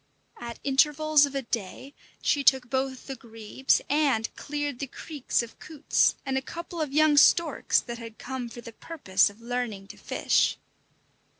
At intervals of a day she took both the grebes and cleared the creeks of coots and a couple of young storks that had come for the purpose of learning to fish.